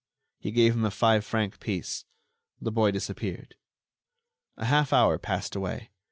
He gave him a five franc piece. The boy disappeared. A half hour passed away.